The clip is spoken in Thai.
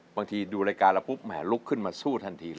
บางทีดูหลายรายการแล้วพึ่่งหมาลุกขึ้นมาสู้ทันทีเลย